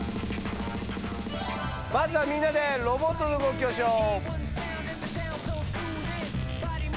まずはみんなでロボットの動きをしよう！